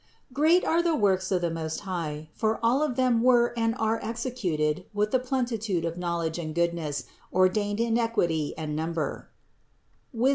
70. Great are the works of the Most High, for all of them were and are executed with the plenitude of knowl edge and goodness, ordained in equity and number (Wis.